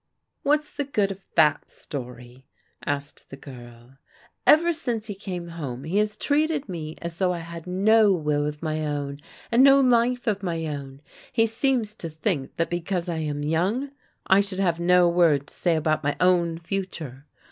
"What's the good of that story?" asked the girl. Ever since he came home he has treated me as though I had no will of my own, and no life of my own. He seems to think that because I am young, I should have no word to say about my own future.